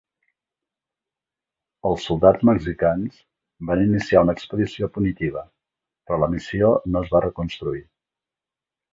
Els soldats mexicans van iniciar una expedició punitiva, però la missió no es va reconstruir.